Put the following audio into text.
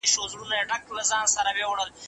دا پروسه په ځانګړې ساحه کي نسي محدود کېدای.